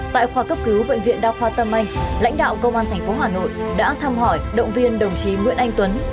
tại khoa cấp cứu bệnh viện đa khoa tâm anh lãnh đạo công an tp hà nội đã thăm hỏi động viên đồng chí nguyễn anh tuấn